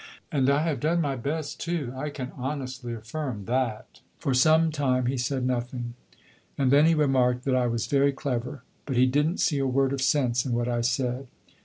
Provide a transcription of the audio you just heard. And I have done my best, too. I can honestly affirm that!' For some time he said nothing, and then he remarked that I was very clever, but he did n't see a word of sense in what I said.